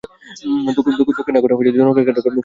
দক্ষিণ ডাকোটা জনসংখ্যার কেন্দ্র গান ভ্যালিতে অবস্থিত।